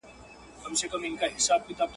چی له ظلمه تښتېدلی د انسان وم !.